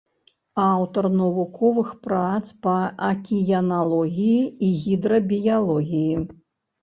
Аўтар навуковых прац па акіяналогіі і гідрабіялогіі.